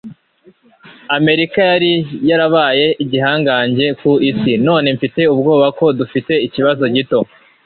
Amerika yari yarabaye igihangange ku isi. Noneho mfite ubwoba ko dufite ikibazo gito.